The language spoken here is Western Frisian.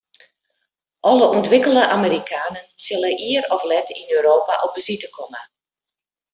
Alle ûntwikkele Amerikanen sille ier of let yn Europa op besite komme.